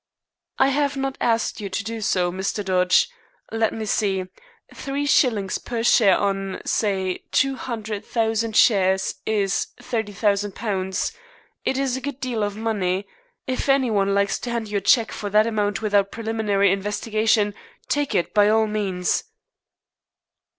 "I have not asked you to do so, Mr. Dodge. Let me see three shillings per share on, say, two hundred thousand shares is £30,000. It is a good deal of money. If any one likes to hand you a cheque for that amount without preliminary investigation, take it by all means."